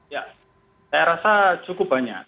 ya saya rasa cukup banyak